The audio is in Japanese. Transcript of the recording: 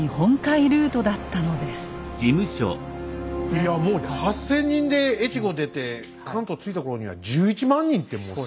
いやもう８，０００人で越後出て関東着いた頃には１１万人ってもうすごいですよね。